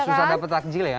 susah dapat takjil ya